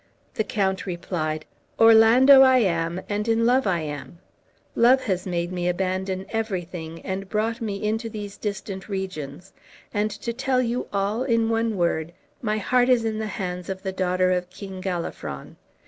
The count replied: "Orlando I am, and in love I am. Love has made me abandon everything, and brought me into these distant regions, and, to tell you all in one word, my heart is in the hands of the daughter of King Galafron.